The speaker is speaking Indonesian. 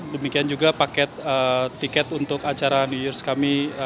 demikian juga paket tiket untuk acara new years kami